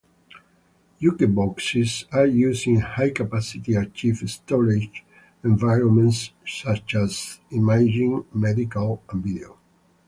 Jukeboxes are used in high-capacity archive storage environments such as imaging, medical, and video.